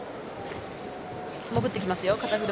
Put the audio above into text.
潜ってきますよ、肩車。